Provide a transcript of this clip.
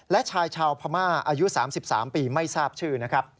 และชายชาวพม่าอายุ๓๓ปีไม่ทราบชื่อนะครับ